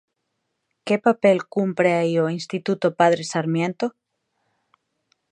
Que papel cumpre aí o Instituto Padre Sarmiento?